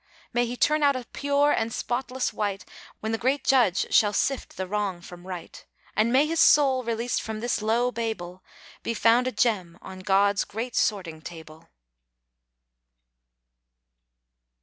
May he turn out a pure and spotless "wight," When the Great Judge shall sift the wrong from right, And may his soul, released from this low Babel, Be found a gem on God's great sorting table.